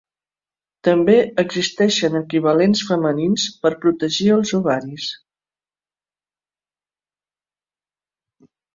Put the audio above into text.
També existeixen equivalents femenins per protegir els ovaris.